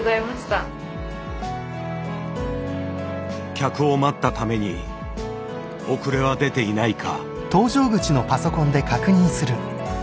客を待ったために遅れは出ていないか。